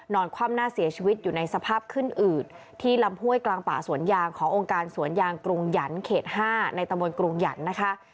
คว่ำหน้าเสียชีวิตอยู่ในสภาพขึ้นอืดที่ลำห้วยกลางป่าสวนยางขององค์การสวนยางกรุงหยันเขต๕ในตะบนกรุงหยันนะคะ